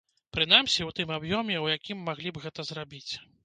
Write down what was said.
Прынамсі, у тым аб'ёме, у якім маглі б гэта зрабіць.